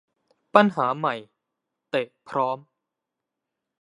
ปัญหาใหม่ เตะพร้อม